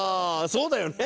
そうだよね。